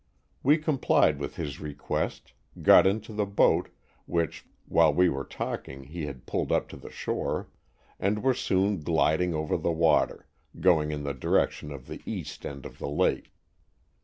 We complied with his request, got into the boat, which, while we were talking, he had pulled up to the shore, and were soon gliding over the water, going in the direction of the east end of the lake.